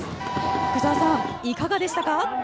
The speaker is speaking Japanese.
福澤さん、いかがでしたか。